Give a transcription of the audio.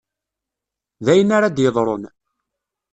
D ayen ara d-yeḍrun.